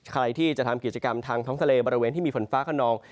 ใครที่จะทำกิจกรรมทางท้องทะเลบริเวณที่มีฝนฟ้าขนอง